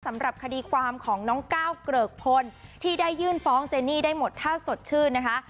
สำหรับคดีความของน้องก้าวเกริกพลที่ได้ยื่นฟ้องเจนี่ได้หมดถ้าสดชื่นนะคะ